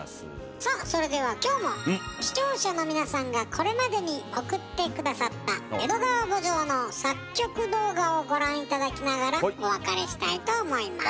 さあそれでは今日も視聴者の皆さんがこれまでに送って下さった「江戸川慕情」の作曲動画をご覧頂きながらお別れしたいと思います。